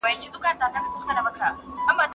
هغه هېڅ له وزن سره تړلې ناروغي نه لرله.